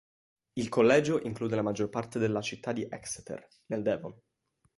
Il collegio include la maggior parte della città di Exeter, nel Devon.